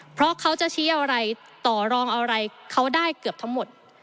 เพราะเขาจะชี้อะไรต่อรองอะไรเขาได้เกือบทั้งหมด